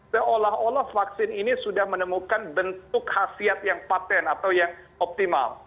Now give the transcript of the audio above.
seolah olah vaksin ini sudah menemukan bentuk khasiat yang patent atau yang optimal